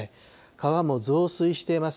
川も増水しています。